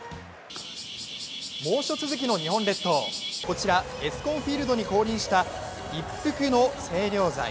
猛暑続きの日本列島、こちらＥＳＣＯＮＦＩＥＬＤに降臨した一服の清涼剤。